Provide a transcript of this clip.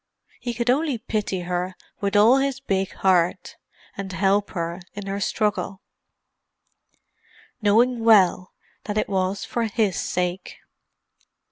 He could only pity her with all his big heart, and help her in her struggle—knowing well that it was for his sake.